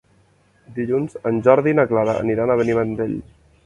Dilluns en Jordi i na Clara aniran a Benimantell.